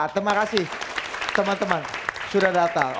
terima kasih teman teman sudah datang